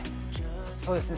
そうですね。